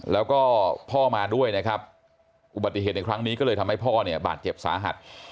แล้วก็พ่อมาด้วยนะครับอุบัติเหตุในครั้งนี้ก็เลยทำให้พ่อเนี่ยบาดเจ็บสาหัส